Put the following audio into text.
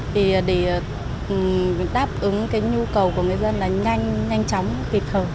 thì để đáp ứng cái nhu cầu của người dân là nhanh nhanh chóng kịp hợp